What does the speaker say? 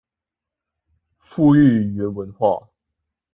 復育語言文化